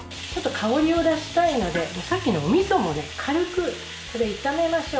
香りを出したいのでさっきのおみそも軽く炒めましょう。